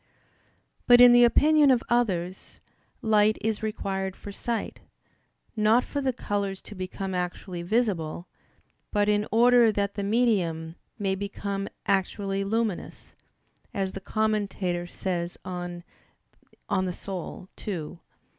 But in the opinion of others, light is required for sight; not for the colors to become actually visible; but in order that the medium may become actually luminous, as the Commentator says on De Anima ii.